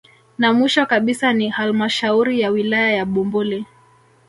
Na mwisho kabisa ni halmashauri ya wilaya ya Bumbuli